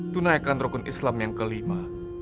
tunaikan rukun islam yang kelima